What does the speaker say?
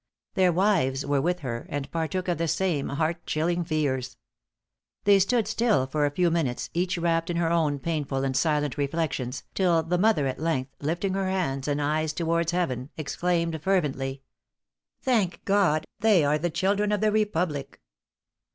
Their wives were with her, and partook of the same heart chilling fears. They stood still for a few minutes, each wrapped in her own painful and silent reflections, till the mother at length, lifting her hands and eyes towards heaven exclaimed fervently: "_Thank God, they are the children of the Republic!